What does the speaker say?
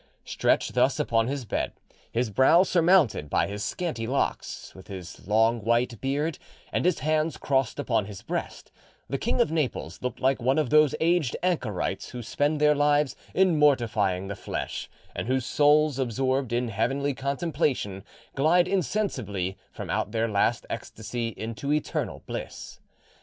Stretched thus upon his bed, his brow surmounted by his scanty locks, with his long white beard, and his hands crossed upon his breast, the King of Naples looked like one of those aged anchorites who spend their lives in mortifying the flesh, and whose souls, absorbed in heavenly contemplation, glide insensibly from out their last ecstasy into eternal bliss.